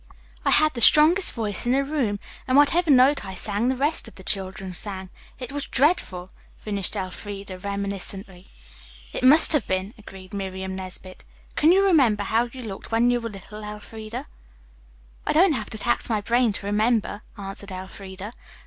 I had the strongest voice in the room and whatever note I sang the rest of the children sang. It was dreadful," finished Elfreda reminiscently. "It must have been," agreed Miriam Nesbit. "Can you remember how you looked when you were little, Elfreda?" "I don't have to tax my brain to remember," answered Elfreda.